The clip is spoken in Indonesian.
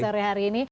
sampai hari ini